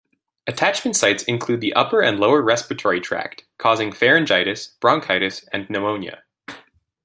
Attachment sites include the upper and lower respiratory tract, causing pharyngitis, bronchitis, and pneumonia.